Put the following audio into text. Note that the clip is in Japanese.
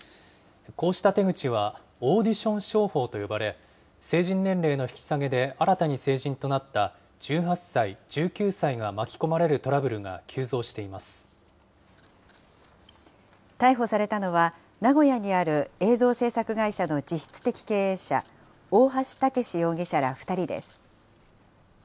こうした手口はオーディション商法と呼ばれ、成人年齢の引き下げで新たに成人となった１８歳、１９歳が巻き込逮捕されたのは、名古屋にある映像制作会社の実質的経営者、大橋剛容疑者ら２人です。